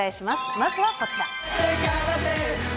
まずはこちら。